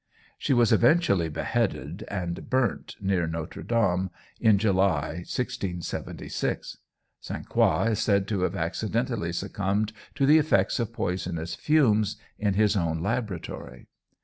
She was eventually beheaded, and burnt near Notre Dame in July, 1676. St. Croix is said to have accidentally succumbed to the effects of poisonous fumes in his own laboratory.